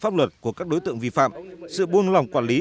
pháp luật của các đối tượng vi phạm sự buôn lòng quản lý